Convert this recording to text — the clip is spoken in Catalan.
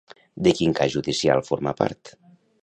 De quin cas judicial forma part?